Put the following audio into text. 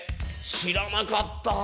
知らなかった！